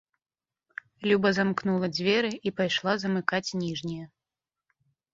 Люба замкнула дзверы і пайшла замыкаць ніжнія.